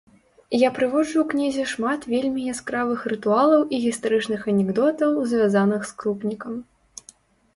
Я прыводжу ў кнізе шмат вельмі яскравых рытуалаў і гістарычных анекдотаў, звязаных з крупнікам.